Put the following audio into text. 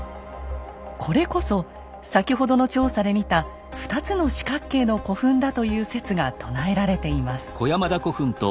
これこそ先ほどの調査で見た２つの四角形の古墳だという説が唱えられています。